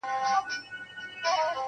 پېغلي نه نيسي د اوښو پېزوانونه-